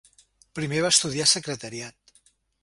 Primer va estudiar Secretariat.